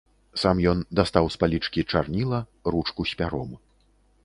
Сам ён дастаў з палічкі чарніла, ручку з пяром.